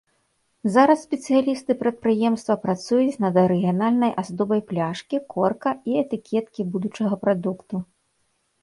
Зараз спецыялісты прадпрыемства працуюць над арыгінальнай аздобай пляшкі, корка і этыкеткі будучага прадукту.